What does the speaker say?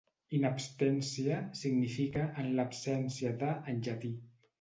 "In abstentia" significa "en l'absència de" en llatí.